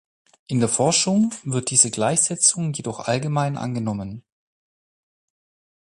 In der Forschung wird diese Gleichsetzung jedoch allgemein angenommen.